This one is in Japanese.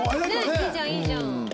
いいじゃんいいじゃん。